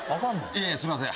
いえいえすいません。